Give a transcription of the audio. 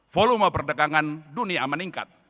volume perdagangan dunia meningkat